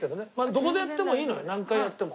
どこでやってもいいのよ何回やっても。